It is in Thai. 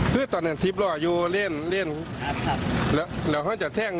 ค่ะ